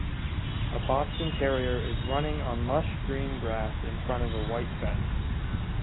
A Boston Terrier is running on lush green grass in front of a white fence.